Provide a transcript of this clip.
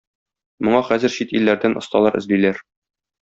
Моңа хәзер чит илләрдән осталар эзлиләр.